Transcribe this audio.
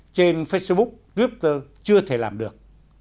trên facebook twitter chưa thể làm được